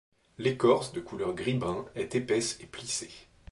L'écorce de couleur gris-brun est épaisse et plissée.